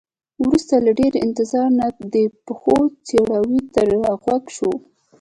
وروسته له ډیر انتظار نه د پښو څپړاوی تر غوږ شو.